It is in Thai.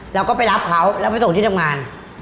เราก็ไปรับเขาแล้วไปส่งที่ทำงาน